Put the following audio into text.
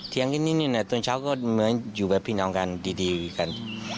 เทียงกันนิดนิดหน่อยตอนเช้าก็เหมือนอยู่แบบพี่นางกันดีกัน